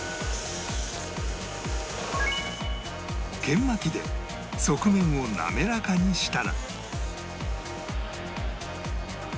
研磨機で側面を滑らかにしたら